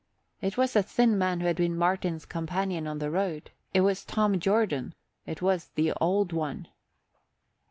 It was the thin man who had been Martin's companion on the road it was Tom Jordan it was the Old One.